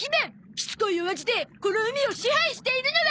しつこいお味でこの海を支配しているのは！